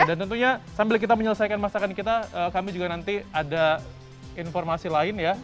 tentunya sambil kita menyelesaikan masakan kita kami juga nanti ada informasi lain ya